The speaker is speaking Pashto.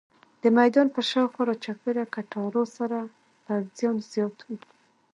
د میدان پر شاوخوا راچاپېره کټارو سره پوځیان زیات وو.